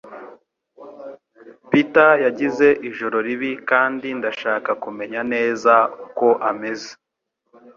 Peter's yagize ijoro ribi kandi ndashaka kumenya neza ko ameze.